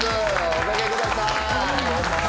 お掛けください。